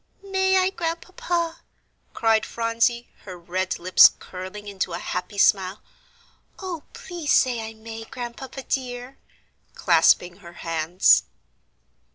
"May I, Grandpapa?" cried Phronsie, her red lips curling into a happy smile. "Oh, please say I may, Grandpapa dear," clasping her hands.